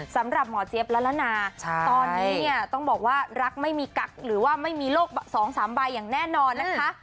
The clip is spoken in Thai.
สำหรับหมอเจี๊ยบละละนาตอนนี้เนี่ยต้องบอกว่ารักไม่มีกักหรือว่าไม่มีโรค๒๓ใบอย่างแน่นอนนะคะ